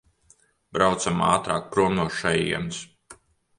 Braucam ātrāk prom no šejienes!